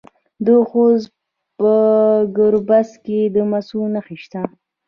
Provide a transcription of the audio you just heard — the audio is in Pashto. د خوست په ګربز کې د مسو نښې شته.